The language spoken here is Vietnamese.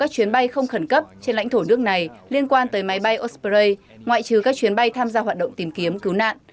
các chuyến bay không khẩn cấp trên lãnh thổ nước này liên quan tới máy bay osprey ngoại trừ các chuyến bay tham gia hoạt động tìm kiếm cứu nạn